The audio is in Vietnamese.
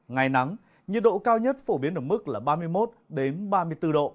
ngày nắng nhiệt độ cao nhất phổ biến ở mức là ba mươi một ba mươi bốn độ